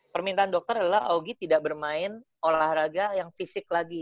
permintaan dokter adalah augie tidak bermain olahraga yang fisik lagi